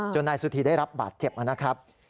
นายสุธีได้รับบาดเจ็บนะครับ